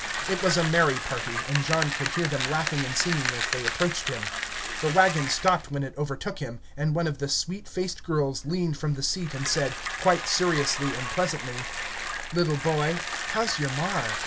It was a merry party, and John could hear them laughing and singing as they approached him. The wagon stopped when it overtook him, and one of the sweet faced girls leaned from the seat and said, quite seriously and pleasantly: "Little boy, how's your mar?"